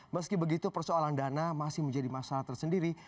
meski begitu persoalan dana masih menjadi masalah tersendiri